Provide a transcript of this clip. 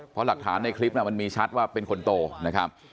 เพราะหลักฐานในคลิปมันมีชัดว่าเป็นคนโตนะครับ